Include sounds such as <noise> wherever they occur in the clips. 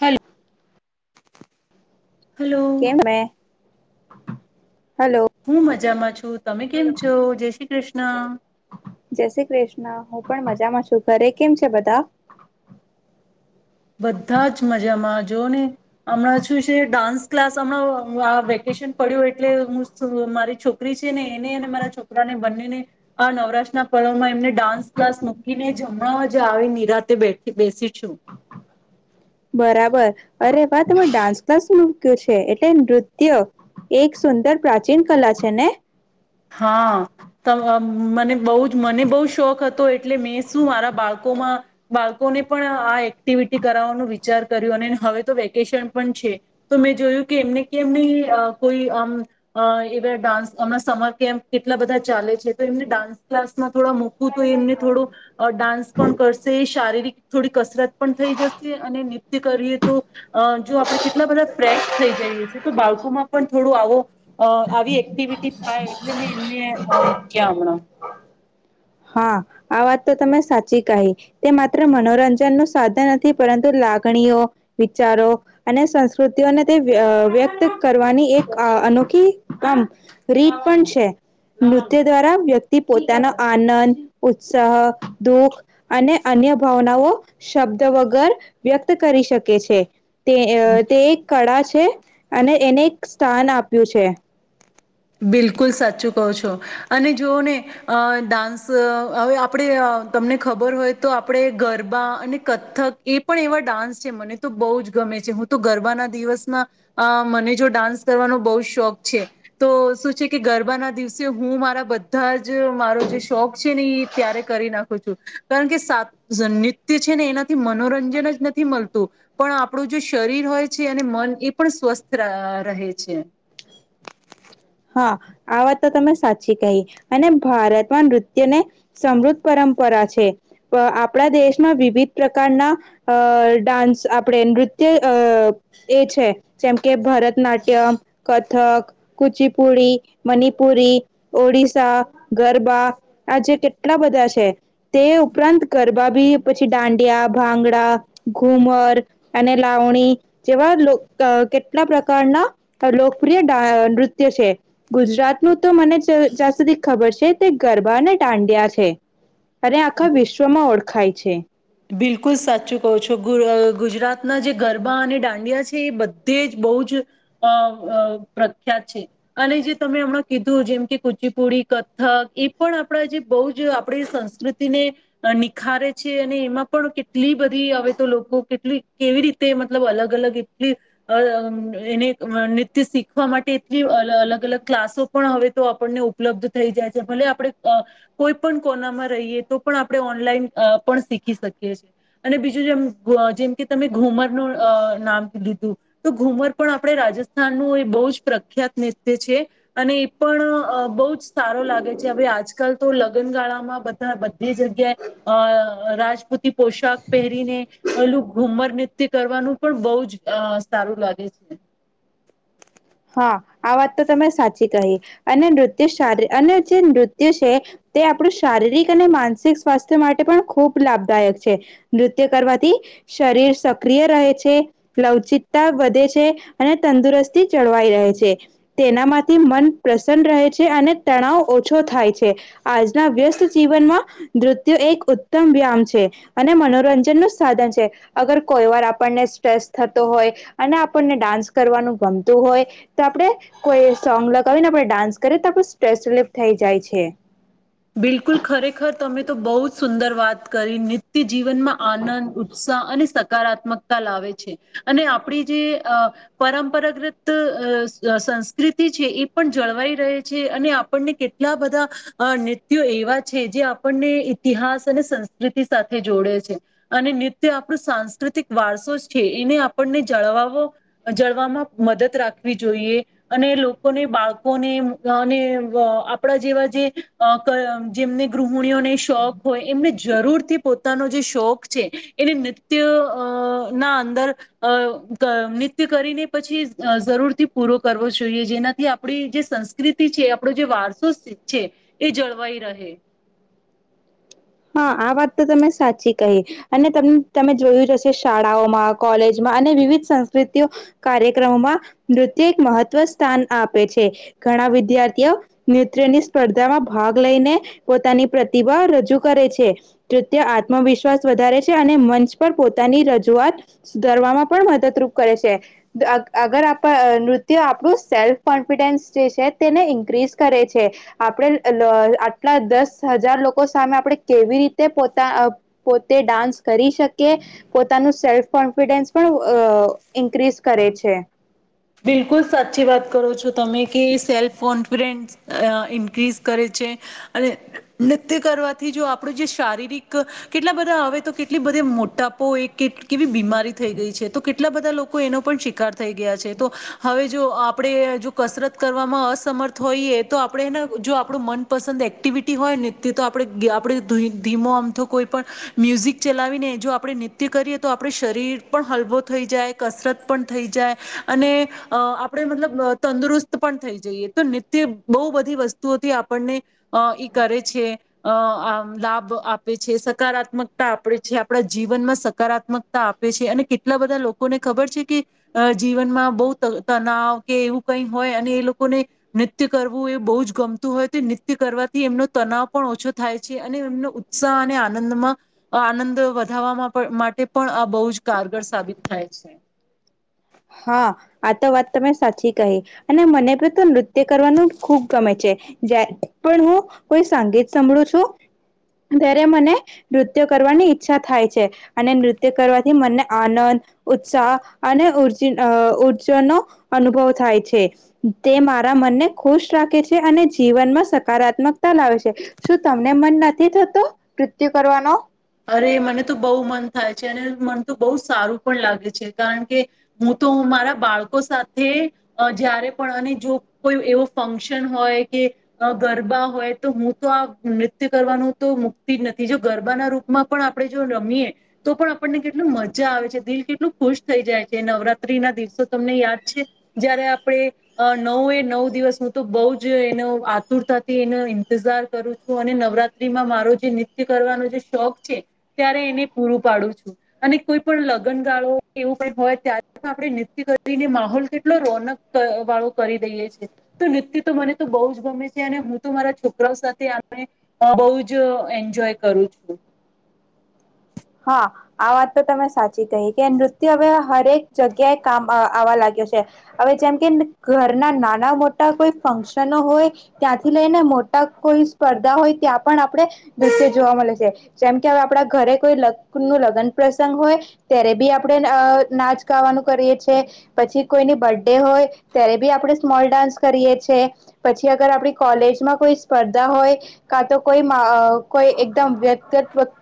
હાલ હાલો. કેમ મે હલો હું મજામાં છ તમે કેમ છો? જય શ્રી કૃષ્ નાા. જય શ્રી કૃષ્ણ હું પણ મજામાં છું ઘરે કેમ છે બધા. બધા જ મજામાં જોઓ ને હમણાં શું છે ડાન્સ ક્લાસ હમણાં. હું આ વેકેશન પડ્યું. એટલે હું મારી છોકરી છે ને એને અને મારા છોકરાને બંનેને આ નવરાશના પર્વમાં એમને ડાન્સ ક્લાસ મૂકીને જમણા જ આવે નિરાતે બેઠ બેસી છું. બરાબર અરે વા તમે ડાન્સ ક્લાસ મૂક્યું છે એટલે નૃત્ય એક સુંદર પ્રાચીન કલા છે ને. હા મને બહ જ મને બહુ શોખ હતો. એટલે મેં શું મારા બાળ બામાં બાળકોને પણ આ એક્ટિવિટી કરાવવાનો વિચાર કર્યો અને હવે તો વેકેશન પણ છે તો મેં જોયું કે એમને કે એમની કોઈ આમ એ ડાન્સમ સમ કેમ કેટલા બધા ચાલે છે તો એમને ડાન્સ ક્લાસ થો મકવું તો એમને થોડું ડાન્સ પણ કરશે શારીરિક થોડી કસરત પણ થઈ જશે અને નિત્ય કરીએ તો અ જો આપડણે કેટલા બધા ફ્રેશ થઈ જઈએ છીએ. તો બાળકો માંપણ થોડું આવુ ઓ અ આવી એક્ટિવિટી થાય એમને <unintelligible> હા આ વાત તો તમે સાચી કહી. તે માત્ર મનોરંજન નું સાધન નથી, પરંતુ લાગણીઓ વિચારો અને સંસ્કૃતિઓને તે વ્ય વ્યક્ત કરવાની એક અનોખી આમ રીત પણ છે. નૃત્ય દ્વારા વ્યક્તિ પોતાના આં આનંદ, ઉત્સાહ, દુઃખ અને અન્ય ભાવનાઓ શબ્દ વગર વ્યક્ત કરી શકે છે. તે એ તે એક કળા છે. <unintelligible> અને એને એક સ્થાન આપ્યું છે. બિલકુલ સાચું કહો છો. અને જોઓ ને અહ ડાન્સ અહ હવે અ આપણે તમને ખબર હોય તો આપણે ગરબા અને કથક એ પણ એવા ડાન્સ છે. મને તો બહુ જ ગમે છે. હું તો ગરબાના દિવસમાં અહ મને જો ડાન્સ કરવાનો બહુ જ શોખ છે. તો શું છે કે, ગરબાના દિવસે હું મારા બધા જ મારો જે શોખ છે ને એ ત્યારે કરી નાખું છું. કારણ કે સાત જન નૃત્ય છે ને એનાથી મનોરંજન જ નથી મળતું, પણ આપણું જે શરીર હોય છે અને મન એ પણ સ્વસ્થ રહ રહે છે. હા આ વાત તો તમે સાચી કહી. અને ભારતમાં નૃત્યને સમૃદ્ધ પરંપરા છે. તો આપણા દેશમાં વિવિધ પ્રકારના અહ ડાન્સ આપણે નૃત્ય અહ એ છે. જેમ કે ભરતનાટ્યમ કથક કુચી પુડી, મણિપુરી, ઓડિસા, ગરબા આ જે કેટલા બધા છે. તે ઉપરાંત ગરબા બી પછી દાંડિયા, ભાંગડા, ઘૂમર અને લાવણી જેવા લોક કેટલા પ્રકારના લોકપ્રિય ડાઅ નૃત ત્ય છે. ગુજરાતનું તો મને જ જ્યાં સુધી ખબર છે. તે ગરબા અને દાંડિયા છે. અને આખા વિશ્વમાં ઓળખાય છે. બિલકુલ સાચું કહો છો. ગુઅ ગુજરાતના જે ગરબા અને દાંડિયા છે એ બધે જ બહુ જ અહ અ પ્રખ્યાત છે. અને જે તમે હમણાં કીધું જેમ કે કુચીપુડી, કથ્થક એ પણ આપણા જે બહુ જ આપણી સંસ્કૃતિને નિખારે છે. અને એમાં પણ કેટલી બધી હવે તો લોકો કેટલી કેવી રીતે મતલબ અલગ અલગ એટલી અહ એને નૃત્ય શીખવા માટે એટલી અલગ અલગ ક્લાસો પણ હવે આપણને ઉપલબ્ધ થઈ જાય છે ભલે આપણે અ કોઈ પણ કોરનરમાં રહીએ તો પણ આપણે ઓનલાઈન અ પણ શીખ કી શકીયે છે. અને બીજું જેમ જેમ કે તમે ઘુમરનું અ નામ લીધું તો ઘુમર પણ આપણે રાજસ્થાનનું એ બહુ જ પ્રખ્યાત નૃત્ય છે. અને એ પણ અ બહુ જ સારો લાગે છે. હવે આજકાલ તો લગ્નગાળામાં બધા બધી જગ્યાએ અહ રાજ પુતિ પોશાક પહેરીને અલુ ઘુમર નૃત્ય કરવાનું પણ બઉ જ અહ સારું લાગે છે. હા આ વાત તો તમે સાચી કહી. અને નૃત્ય શારી અને જે નૃત્ય છે, તે આપણું શારીરિક અને માનસિક સ્વાસ્થ્ય માટે પણ ખૂબ લાભદાયક છે. નૃત્ય કરવાથી શરીર સક્રિય રહે છે લવચિકતા વધે છે અને તંદુરસ્તી જળવાઈ રહે છે. તેનામાંથી મન પ્રસન્ન રહે છે. અને તણાવ ઓછો થાય છે. આજના વ્યસ્ત જીવનમાં નૃત્ય એક ઉત્તમ વ્યામ છે. અને મનોરંજન નું સાધન છે. અગર કોઈ વાર આપણને સ્ટ્રેસ થતો હોય અને આપણને ડાન્સ કરવાનું ગમ તું હોય તો આપણે કોઈ સોંગ લગાવીને આપણે ડાન્સ કરીએ તો આપ સ્ટ્રેસ રિલીફ થઈ જાય છે. બિલકુલ ખરેખર તમે તો બહુ જ સુંદર વાત કરી. નિ તે જીવનમાં આનંદ ઉત્સાહ અને સ સકારાત્મકતા લાવે છે. અને આપણી જે અહ પરંપરાગત અહ સંસ સંસ્કૃતિ છે. એ પણ જળવાઈ રહે છે. અને આપણને કેટલા બધા અ નુત ત્યોં એવા છે જે આપણને ઇતિહાસ અને સંસ્કૃતિ સાથે જોડે છે. અને નૃત્ય આપણું સાંસ્કૃતિક વારસો છે. એને આપણને જળવાવો જળવામાં મદદ રાખવી જોઈએ. અને લોકોને બાળકોને અને અહ આપણા જેવા જે અહ અ જેમને ગૃહિણીઓને શોખ હોય એમને જરૂરથી પોતાનો જે શોખ છે એને નૃત્ય અહ ના અંદર અ ક નૃત્ય કરીને પછી અ જરૂરથી પૂરો કરવો જોઈએ. જેનાથી આપણી જે સંસ્કૃતિ છે, આપણો જે વારસો છે એ જળ વાઇ રહે. હા આ વાત તો તમે સાચી કહી. અને તમ તમે જોયું જશે શાળાઓમાં, કોલેજમાં અને વિવિધ સંસ્કૃતિઓ કાર્યક્રમોમાં નૃત્ય એક મહત્વ સ્થાન આપે છે ઘણા વિદ્યાર્થીઓ નૃત્યની સ્પર્ધામાં ભાગ લઈને પોતાની પ્રતિભા રજૂ કરે છે. નૃત્ય આત્મવિશ્વાસ વધારે છે અને મંચ પર પોતાની રજૂઆત સુધારવામાં પણ મદદરૂપ કરે છે. અગ અગર આપ નૃત્ય આપણું સેલ્ફ કોન્ફિડન્સ જે છે તેને ઇન્ક્રીઝ કરે છે. આપણે અ આટલા દસ હજાર લોકો સામે આપડે કેવી રીતે પોતા પોતે ડાન્સ કરી શકે. પોતાનું સેલ્ફ કોન્ફિડન્સ પણ અહ ઇન્ક્રીઝ કરે છે. બિલકુલ સાચી વાત કરો છો તમે. કે સેલ્ફ કોન્ફિડન્સ અહ ઇન્ક્રીઝ કરે છે. અને નૃત્ય કરવાથી જો આપણું જે શારીરિક કેટલા બધા આવે તો કેટલી બધે મોટાપો હોય કે કેવી બીમારી થઈ ગઈ છે. તો કેટલા બધા લોકો એનો પણ શિકાર થઈ ગયા છે. તો હવે જો આપણે જો કસરત કરવામાં અસમર્થ હોઈએ તો આપણે એને જો આપણું મનપસંદ એક્ટિવિટી હોય ને તે તો આપણે આપણે ધીમો અમથો કોઈ પણ મ્યુઝિક ચલાવીને જો આપણે નૃત્ય કરીએ તો આપણે શરીર પણ હલવો થઈ જાય, કસરત પણ થઈ જાય અને અ આપણે મતલબ અ તંદુરસ્ત પણ થઈ જઈએ. તો નૃત્ય બહુ બધી વસ્તુઓથી આપણને અ ઈ કરે છે. અ આ લાભ આપે છે. સકારાત્મકતા આપે છે. જે આપણા જીવનમાં સકારાત્મકતા આપે છે. અને કેટલા બધા લોકોને ખબર છે કે અ જી જીવનમાં બહુ ત તનાવ કે એવું કઈ હોય, અને એ લોકોને નૃત્ય કરવું એ બહુ જ ગમતું હોય, તો નૃત્ય કરવાથી એમનો તનાવ પણ ઓછો થાય છે. અને એમનો ઉત્સાહ અને આનંદમાં આનંદ વધાવવામાં માટે પણ આ બહુ જ કારગર સાબિત થાય છે. હા આ તો વાત તમે સાચી કહી. અને મને પણ તો નૃત્ય કરવાનું ખુબ ગમે છે. જ્યારે પણ હું કોઈ સંગીત સાંભળું છું, ત્યારે મને નૃત્ય કરવાની ઈચ્છા થાય છે. અને નૃત્ય કરવાથી મને આનંદ, ઉત્સાહ અને ઉર્ ચીન અ ઉર્જાનો અનુભવ થાય છે. તે મારા મનને ખુશ રાખે છે અને જીવનમાં સકારાત્મકતા લાવે છે. શું તમને મન નથી થતું નૃત્ય કરવાનો? અરે મને તો બવ મન થાય છે અને મન તો બહુ સારું પણ લાગે છે. કારણ કે હું તો હુ મારા બાળકો સાથે અ જ્યારે પણ આને જો કોઈ એવો ફંક્શન હોય કે, અ ગરબા હોય તો હું તો આ નૃત્ય કરવાનું તો મુકતી જ નથી. જો ગરબાના રૂપ માં પણ આપણે જો રમીએ તો પણ આપણને કેટલું મજા આવે છે. દિલ કેટલું ખુશ થઈ જાય છે. નવરાત્રી ના દિવસો તમને યાદ છે? જયારે આપણે નવ એ નવ દિવસ હું તો બહુજ એનો આતુરતાથી એનો ઈંતજાર કરું છું. અને નવરાત્રીમાં મારો જે નૃત્ય કરવાનો જે શોખ છે ત્યારે એને પૂરું પાડું છું અને કોઈ પણ લગ્નગાળો એવું કઈ હોય ત્યારે પણ આપણે નૃત્ય કરીને માહોલ કેટલો રોનક અ વાળો કરી દઈએ છે. તો નૃત્ય તો મને તો બહુંજ ગમે છે. અને હું તો મારા છોકરાઓ સાથે આપણે અ બહુ જ એન્જોય કરું છું. હા આ વાત તો તમે સા કહી કે નૃત્ય હવે હરેક જગ્યાએ કામ અહ આવવા લાગ્યો છે. હવે જેમ કે ઘરના નાના મોટા કોઈ ફંક્શનો હોય ત્યાંથી લઈને મોટા કોઈ સ્પર્ધા હોય ત્યાં પણ આપણે નૃત્ય જોવા મળે છે. જેમ કે હવે આપણા ઘરે કોઈ લગ નું લગ્ન પ્રસંગ હોય ત્યારે બી આપણે અહ નાચ ગાવાનું કરીએ છે. પછી કોઈની બર્થ ડે હોય ત્યારે બી આપે સ્મોલ ડાન્સ કરીએ છે. પછી અગર આપડી કોલેજમાં કોઈ સ્પર્ધા હોય કા તો કોઈ મા અ કોઈ એકદમ <unintelligible>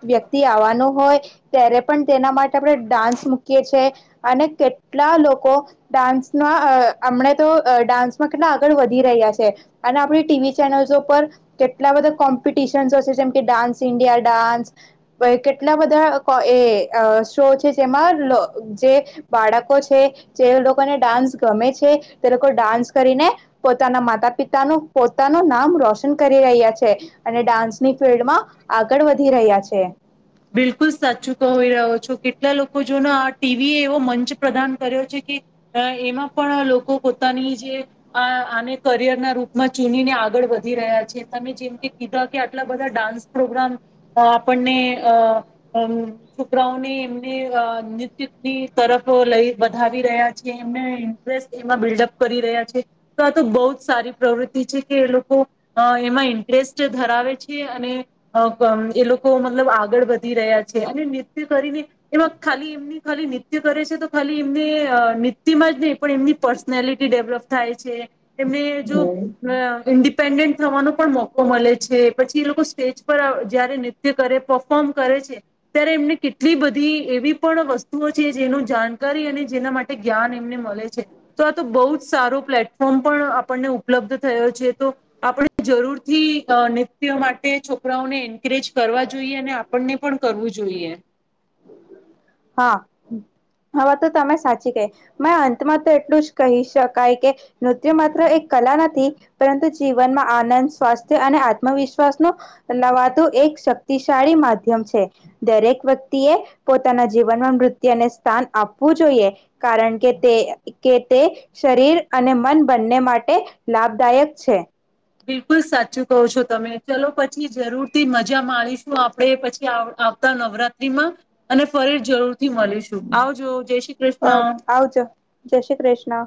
વ્યક્તિ આવવાનું હોય, ત્યારે પણ તેના માટે આપણે ડાન્સ મૂકીએ છે. અને કેટલા લોકો ડાન્સમાં, અ અમણે તો અ ડાન્સમાં કેટલા આગળ વધી રહ્યા છે અને આપણી ટીવી ચેનલ્સ પર કેટલા બધા કોમ્પિટશન્ છે. જેમ કે ડાન્સ ઇન્ડિયા ડાન્સ, કેટલા એટલા બધા એ અ શો છે. જેમાં જે બાળકો છે, જે લોકોને ડાન્સ ગમે છે, તે લોકો ડાન્સ કરીને પોતાના માતા પિતાનું, પોતાનું નામ રોશન કરી રહ્યા છે અને ડાન્સની ફિલ્ડમાં આગળ વધી રહ્યા છે. બિલકુલ સાચુક કઈ રહ્યા છો. કેટલા લોકો જોને આ ટીવી એ એવો મંચ પ્રદાન કર્યો છે, કે એમાં પણ લોકો પોતાની જે આ આને કરિયરના રૂપમાં ચૂનીને આગળ વધી રહ્યા છે. તમે જેમ કે કીધા કે આટલા બધા ડાન્સ પ્રોગ્રામ અ આપણને અ અમ છોકરાઓને, એમને નૃત્યની તરફ લઈ વધાવી રહ્યા છે. એમને ઇન્ટરેસ્ટ એમાં બિલ્ડઅપ કરી રહ્યા છે. તો આ તો બહુ જ સારી પ્રવૃત્તિ છે કે એ લોકો અ એમાં ઇન્ટરેસ્ટ ધરાવે છે ને એ લોકો મતલબ આગ આગળ વધી રહ્યા છે અને નૃત્ય કરીને એમાં ખાલી એમની, ખાલી નૃત્ય કરે છે. તો ખાલી એમને નિત્યમાં જ નહી પણ એમની પર્સનાલિટી ડેવલપ થાય છે એમને જો અ ઇન્દીપ ડિપેન્ડન્ટ થવાનો પણ મોકો મળે છે. પછી એ લોકો સ્ટેજ પર જ્યારે નૃત્ય કરે, પો ફોર્મ કરે છે. ત્યારે એમને કેટલી બધી એવી પણ વસ્તુઓ છે, જેનું જાણકારી અને જેના માટે જ્ઞાન એમને મળે છે. તો આ તો બહુ જ સારો પ્લેટફોર્મ પણ આપણને ઉપલબ્ધ થયો છે. તો આપણે જરૂરથી અ નૃત્ય માટે છોકરાઓને એન્કરેજ કરવા જોઈએ અને આપ આપણને પણ કરવું જોઈએ. હા, હવે તો તમે સાચી કહી મેં અંતમાં તો એટલું જ કહી શકાય કે નૃત્ય માત્ર એક કલા નથી પરંતુ જીવનમાં આનંદ, સ્વાસ્થ્ય અને આત્મવિશ્વાસ નો લવાતું એક શક્તિશાળી માધ્યમ છે. દરેક વ્યક્તિ એ પોતાના જીવનમાં નૃત્ય ને સ્થાન આપવું જોઈએ. કારણ કે તે, કે તે, શરીર અને મન બંને માટે લાભદાયક છે. બિલકુલ સાચું કહો છો તમે, ચલો પછી જરૂરથી મજા માણીશું આપણેે પછી આ આવતા નવરાત્રીમાં અને ફરી જરૂ મળીશું, આવજો, જય શ્રી અ કૃષ્ણ. આવજો જય શ્રી કૃષ્ણ